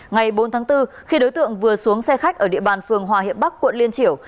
ngày bốn tháng bốn khi đối tượng vừa xuống xe khách ở địa bàn phường hòa hiệp bắc quận liên triểu